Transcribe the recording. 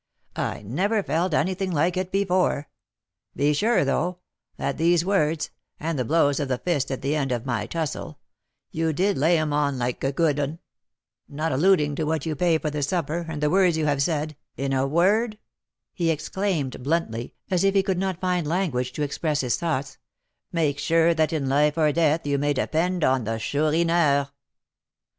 I never felt anything like it before. Be sure, though, that these words, and the blows of the fist at the end of my tussle, you did lay 'em on like a good 'un, not alluding to what you pay for the supper, and the words you have said in a word," he exclaimed, bluntly, as if he could not find language to express his thoughts, "make sure that in life or death you may depend on the Chourineur."